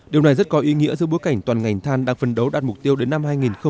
điều này rất có ý nghĩa giữa bối cảnh toàn ngành than đang phân đấu đạt mục tiêu đến năm hai nghìn ba mươi